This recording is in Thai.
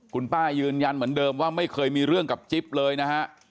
คุณป้ายืนยันเหมือนเดิมว่าไม่เคยมีเรื่องกับจิ๊บเลยนะฮะ